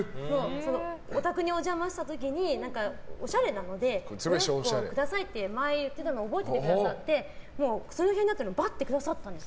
お宅にお邪魔した時におしゃれなのでお洋服をくださいって前言ってたのを覚えてくださっていてその辺にあったのをくださったんです。